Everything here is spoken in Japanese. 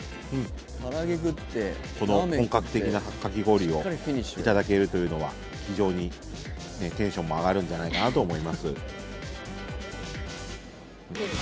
この本格的なかき氷をいただけるというのはテンションも上がるんじゃないかなと思います。